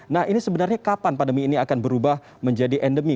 nah ini sebenarnya kapan pandemi ini akan berubah menjadi endemi